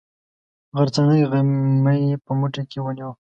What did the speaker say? غرڅنۍ غمی په موټي کې ونیوه.